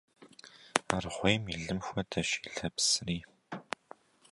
Аргъуейм и лым хуэдэщ и лэпсри.